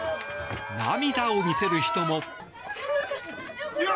涙を見せる人も。